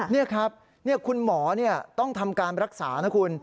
นี่ครับคุณหมอต้องทำการรักษานะคุณ